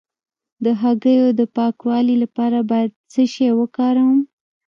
د هګیو د پاکوالي لپاره باید څه شی وکاروم؟